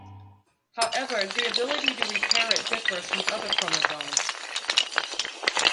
However, the ability to repair it differs from other chromosomes.